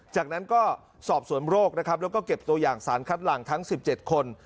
จากนั้นก็สอบสวนโรคนะครับแล้วก็เก็บตัวอย่างสารคัดหลังทั้ง๑๗คน